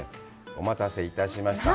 お待たせいたしました。